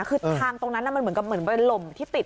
คือทางตรงนั้นมันเหมือนกับเหมือนเป็นลมที่ติด